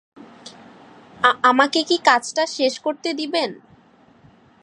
আমাকে কী কাজটা শেষ করতে দিবেন।